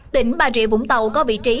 tỉnh bà rịa vũng tàu có vị trí